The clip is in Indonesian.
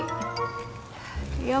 torah nih nih ratu